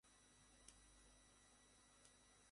আজকেই রফাদফা করবো।